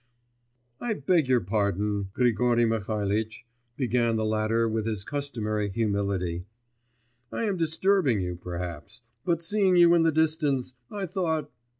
'I beg your pardon, Grigory Mihalitch,' began the latter with his customary humility, 'I am disturbing you perhaps, but, seeing you in the distance, I thought....